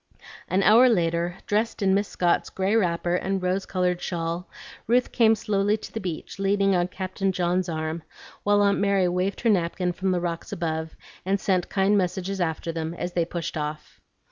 An hour later, dressed in Miss Scott's gray wrapper and rose colored shawl, Ruth came slowly to the beach leaning on Captain John's arm, while Aunt Mary waved her napkin from the rocks above, and sent kind messages after them as they pushed off.